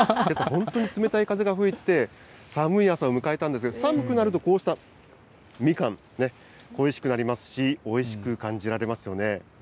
本当に冷たい風が吹いて、寒い朝を迎えたんですが、寒くなると、こうしたみかん、恋しくなりますし、おいしく感じられますよね。